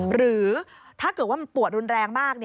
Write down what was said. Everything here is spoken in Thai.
หรือถ้าเกิดว่ามันปวดรุนแรงมาก